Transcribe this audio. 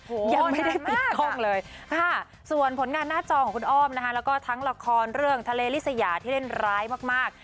โอ้โหยอดไม่ได้ปิดกล้องเลยค่ะส่วนผลงานหน้าจอของคุณอ้อมนะคะแล้วก็ทั้งละครเรื่องทะเลลิสยาที่เล่นร้ายมาก